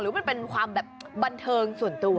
หรือเป็นความบันเทิงส่วนตัว